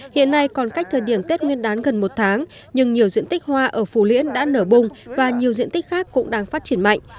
hiện nay còn cách thời điểm tết nguyên đán gần một tháng nhưng nhiều diện tích hoa ở phù liễn đã nở bùng và nhiều diện tích khác cũng đang phát triển mạnh